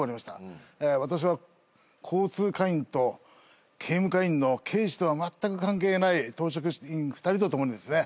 私は交通課員と警務課員の検視とはまったく関係ない当直員２人と共にですね